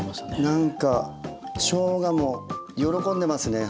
なんかしょうがも喜んでますね